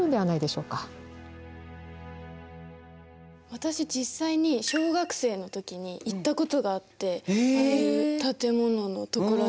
私実際に小学生の時に行ったことがあってあの建物のところに。